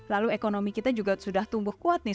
lalu ekonomi kita juga sudah tumbuh kuat nih